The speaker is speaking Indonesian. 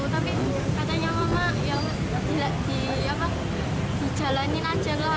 tapi katanya mama ya pak dijalani aja lah